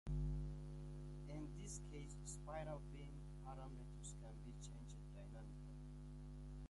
In this case spiral beam parameters can be changed dynamically.